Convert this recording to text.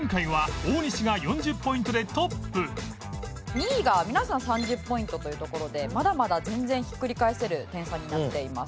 ２位が皆さん３０ポイントというところでまだまだ全然ひっくり返せる点差になっています。